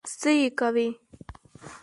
څه يې کوې؟